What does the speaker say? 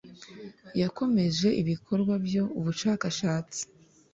yakomeje ibikorwa by ubushakashatsi